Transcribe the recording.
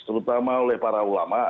terutama oleh para ulama